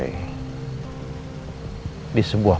apa bener itu psikopat